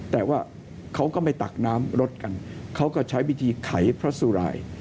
แต่ว่าเขาก็ไม่ตักน้ำรถกันเขาก็ใช้วิธีไขพระสุราย